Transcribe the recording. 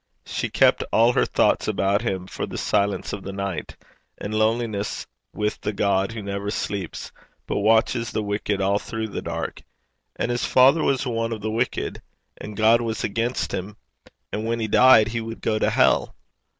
She kept all her thoughts about him for the silence of the night, and loneliness with the God who never sleeps, but watches the wicked all through the dark. And his father was one of the wicked! And God was against him! And when he died he would go to hell!